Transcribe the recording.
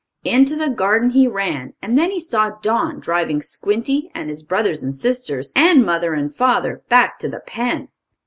Into the garden he ran, and then he saw Don driving Squinty, and his brothers and sisters, and mother and father, back to the pen.